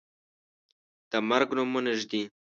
د مرګ نومونه ږدي